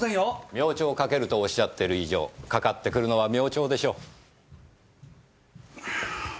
明朝かけるとおっしゃってる以上かかってくるのは明朝でしょう。